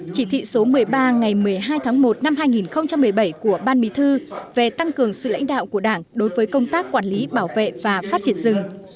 chỉ thị số một mươi ba ngày một mươi hai tháng một năm hai nghìn một mươi bảy của ban bí thư về tăng cường sự lãnh đạo của đảng đối với công tác quản lý bảo vệ và phát triển rừng